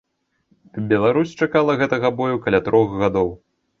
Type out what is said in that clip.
Беларусь чакала гэтага бою каля трох гадоў.